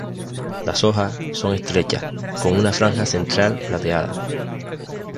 Las hojas son estrechas, con una franja central plateada.